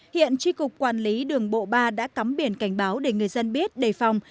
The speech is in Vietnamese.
hiện tri cục quản lý đường bộ ba đã cắm biển cảnh báo để người dân biết đề phòng